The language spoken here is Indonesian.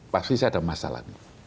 pasti saya ada masalah